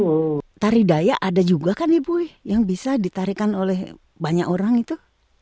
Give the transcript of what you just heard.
oh tari daya ada juga kan ibu yang bisa ditarikan oleh banyak orang itu